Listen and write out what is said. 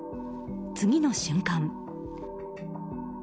次の瞬間。